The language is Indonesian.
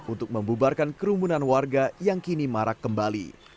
untuk membubarkan kerumunan warga yang kini marak kembali